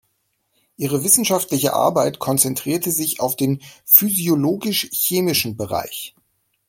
Ihre wissenschaftliche Arbeit konzentrierte sich auf den physiologisch-chemischen Bereich.